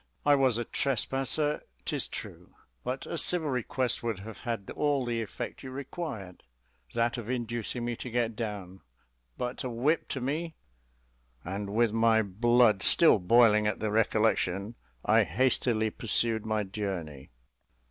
I was a trespasser, 'tis true, but a civil request would have had all the effect you required that of inducing me to get down; but a whip to me " And with my blood still boiling at the recollection, I hastily pursued my journey.